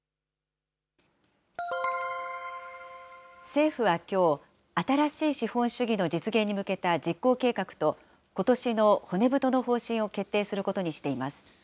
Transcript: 政府はきょう、新しい資本主義の実現に向けた実行計画と、ことしの骨太の方針を決定することにしています。